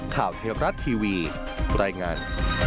ข่าวเทพรัตน์ทีวีรายงาน